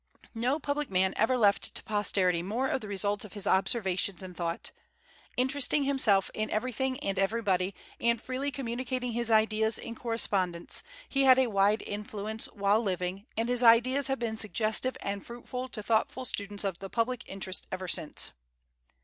No public man ever left to posterity more of the results of his observations and thought. Interesting himself in everything and everybody, and freely communicating his ideas in correspondence, he had a wide influence while living, and his ideas have been suggestive and fruitful to thoughtful students of the public interest ever since.